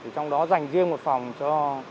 trong đó dành riêng một phòng cho